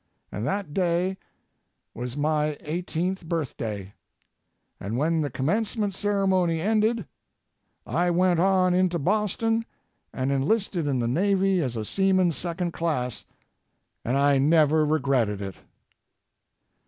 And that day was my 18th birthday. And when the commencement ceremony ended, I went on into Boston and enlisted in the Navy as a seaman 2d class. And I never regretted it.